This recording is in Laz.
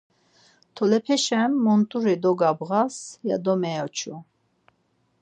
Tolepeşen munt̆uri dogabğas, ya do meoçu.